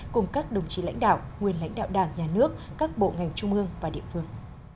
cùng các đồng chí lãnh đạo nguyên lãnh đạo đảng nhà nước các bộ ngành trung ương và địa phương